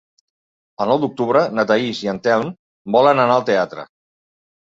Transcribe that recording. El nou d'octubre na Thaís i en Telm volen anar al teatre.